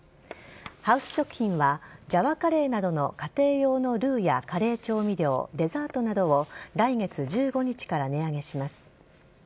ハウス食品はジャワカレーなどの家庭用のルウやカレー調味料デザートなどを来月１５日から値上げします。